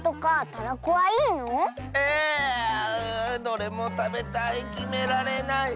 どれもたべたいきめられない。